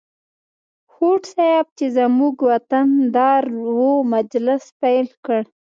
هوډ صیب چې زموږ وطن دار و مجلس پیل کړ.